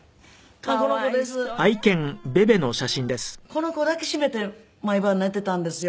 この子を抱きしめて毎晩寝ていたんですよ。